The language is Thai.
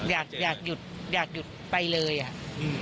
อยากอยากหยุดอยากหยุดไปเลยอ่ะอืม